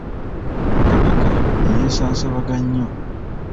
Kabaka ne yeesaasaabaga nnyo.